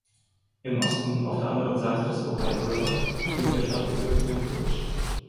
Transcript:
Im Osten, auf der anderen Seite des Ohio River, liegt der Stadtbezirk Ambridge.